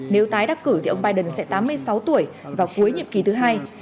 nếu tái đắc cử thì ông biden sẽ tám mươi sáu tuổi vào cuối nhiệm kỳ thứ hai